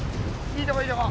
いいとこいいとこ。